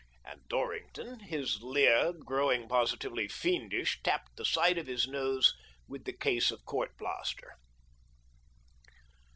And Dorrington, his leer growing positively fiendish, tapped the side of his nose with the case of court plaster.